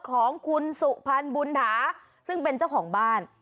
ของคุณสุพรรณบุญถาซึ่งเป็นเจ้าของบ้าน